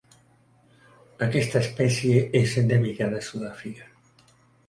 Aquesta espècie és endèmica de Sud-àfrica.